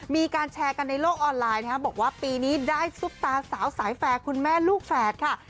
มีการแชร์กันในโลกออนไลน์นะครับบอกว่าปีนี้ได้ซุปตาสาวสายแฟร์คุณแม่ลูกแฝดค่ะ